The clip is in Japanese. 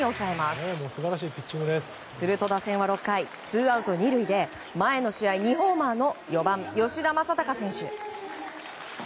すると、打線は６回ツーアウト２塁で前の試合、２ホーマーの４番、吉田正尚選手。